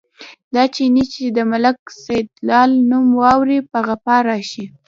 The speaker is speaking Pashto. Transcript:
دا چيني چې د ملک سیدلال نوم واوري، په غپا راشي.